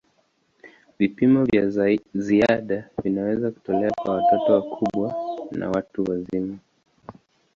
Vipimo vya ziada vinaweza kutolewa kwa watoto wakubwa na watu wazima.